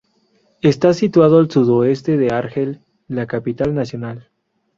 Está situado al sudoeste de Argel, la capital nacional.